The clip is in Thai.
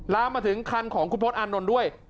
ล้ามมาถึงคันของคุณพจน์อันนนด์ด้วย